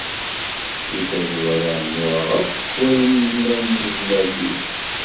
Di tazwara nnuɣeɣ akk s wayen i yellan deg tezmert-iw.